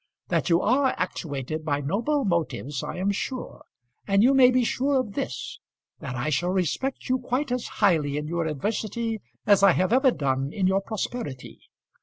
That you are actuated by noble motives I am sure; and you may be sure of this, that I shall respect you quite as highly in your adversity as I have ever done in your prosperity.